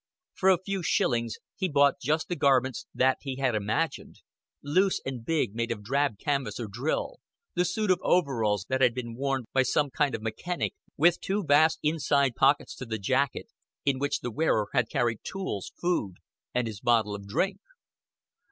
For a very few shillings he bought just the garments that he had imagined loose and big made of drab canvas or drill, the suit of overalls that had been worn by some kind of mechanic, with two vast inside pockets to the jacket, in which the wearer had carried tools, food, and his bottle of drink.